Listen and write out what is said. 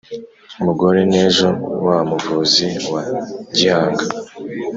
mugorenejo wa muvuzi wa gihanga